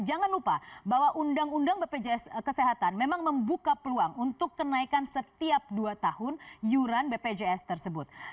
jangan lupa bahwa undang undang bpjs kesehatan memang membuka peluang untuk kenaikan setiap dua tahun yuran bpjs tersebut